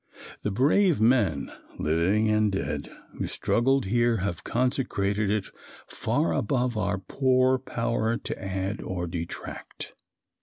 The brave men, living and dead, who struggled here have consecrated it far above our poor power to add or detract.